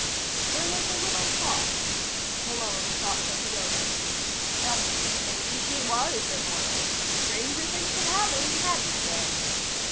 There was a little pause. Malone thought things over. Hell, maybe she was immortal. Stranger things had happened, hadn't they?